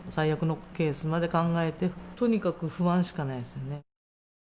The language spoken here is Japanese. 最悪のケースまで考えて、とにかく不安しかないですよね。